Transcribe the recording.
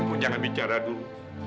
kamu jangan bicara dulu